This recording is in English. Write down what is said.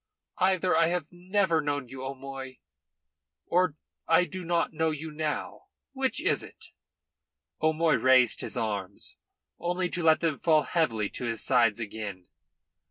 Either I have never known you, O'Moy, or I do not know you now. Which is it?" O'Moy raised his arms, only to let them fall heavily to his sides again.